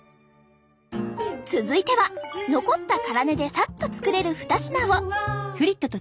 続いては残った辛根でさっと作れる２品を。